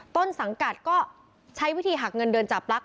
ต้นสังกัดก็ใช้วิธีหักเงินเดือนจับลักษ